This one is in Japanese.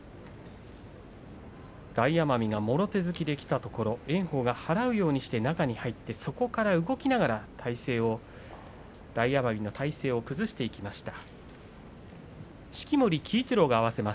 大奄美がもろ手突きでいくところを炎鵬が払うようにして中に入ってそして動きながら体勢を崩していきました。